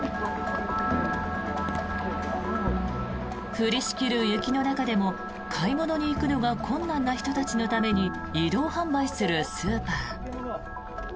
降りしきる雪の中でも買い物に行くのが困難な人たちのために移動販売するスーパー。